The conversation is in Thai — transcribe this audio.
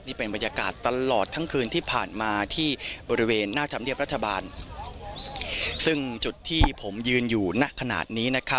นี่เป็นบรรยากาศตลอดทั้งคืนที่ผ่านมาที่บริเวณหน้าธรรมเนียบรัฐบาลซึ่งจุดที่ผมยืนอยู่ณขนาดนี้